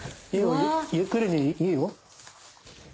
ゆっくりでいいよ。